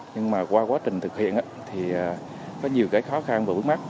nhưng mà qua quá trình thực hiện thì có nhiều cái khó khăn và bước mắt